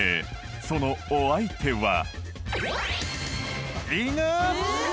そのお相手は犬！？